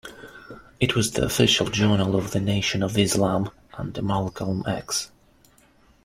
It was the official journal of the Nation of Islam under Malcolm X.